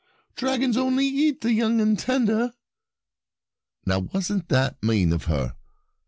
Dragons only eat the young and tender!" Now, wasn't that mean of her?